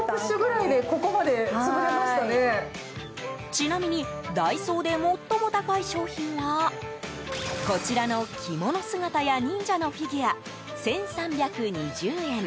ちなみにダイソーで最も高い商品はこちらの着物姿や忍者のフィギュア、１３２０円。